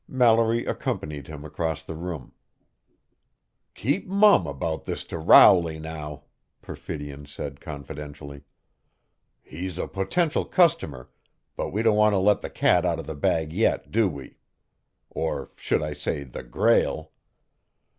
Mallory accompanied him across the room. "Keep mum about this to Rowley now," Perfidion said confidentially. "He's a potential customer, but we don't want to let the cat out of the bag yet, do we? Or should I say 'the Grail'."